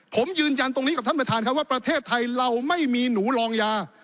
ผมยืนยันตรงนี้กับท่านประธานครับว่าประเทศไทยเราไม่มีหนูลองยา